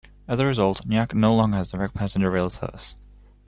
As a result, Nyack no longer has direct passenger rail service.